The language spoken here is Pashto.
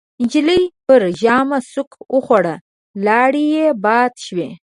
نجلۍ پر ژامه سوک وخوړ، لاړې يې باد شوې.